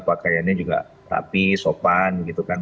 pakaiannya juga rapi sopan gitu kan